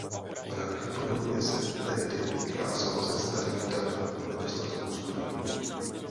Pravděpodobně se tehdy vycházelo ze starých dat a nedostatku studií.